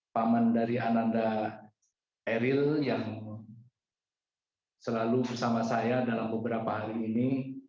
paman dari ananda eril yang selalu bersama saya dalam beberapa hari ini